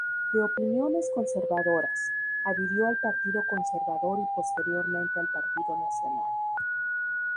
De opiniones conservadoras, adhirió al Partido Conservador y posteriormente al Partido Nacional.